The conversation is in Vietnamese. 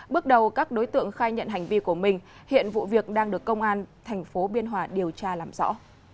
bước đầu các đối tượng khai nhận hành vi của mình hiện vụ việc đang được công an thành phố biên hòa điều tra làm rõ